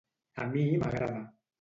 A mi m'agrada.